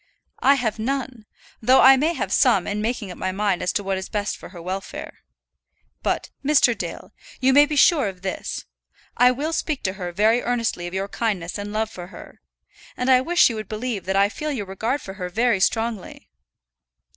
"I have none; though I may have some in making up my mind as to what is best for her welfare. But, Mr. Dale, you may be sure of this; I will speak to her very earnestly of your kindness and love for her. And I wish you would believe that I feel your regard for her very strongly."